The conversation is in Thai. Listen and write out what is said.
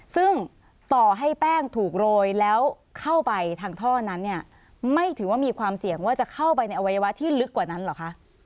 ซึ่งต่อให้แป้งถูกโรยแล้วเข้าไปทางท่อนั้นเนี่ยไม่ถือว่ามีความเสี่ยงว่าจะเข้าไปในอวัยวะที่ลึกกว่านั้นเหรอคะ